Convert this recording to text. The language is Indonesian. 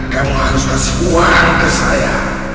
kamu harus kasih uang ke saya